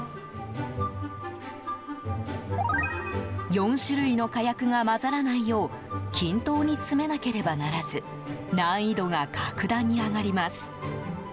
４種類の火薬が混ざらないよう均等に詰めなければならず難易度が格段に上がります。